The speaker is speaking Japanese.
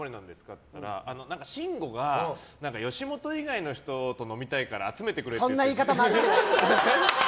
って聞いたら、慎吾が吉本以外の人と飲みたいから集めてくれって。